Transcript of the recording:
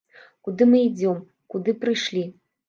Куды мы ідзём, куды прыйшлі?